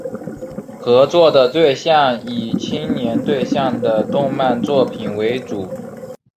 合作的对象以青年对象的动漫作品为主。